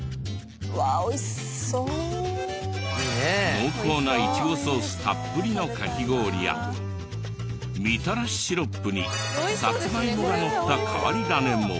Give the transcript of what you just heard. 濃厚ないちごソースたっぷりのカキ氷やみたらしシロップにサツマイモがのった変わり種も。